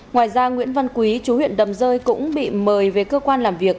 ngoài ra nguyễn văn quý chú huyện đầm rơi cũng bị mời về cơ quan làm việc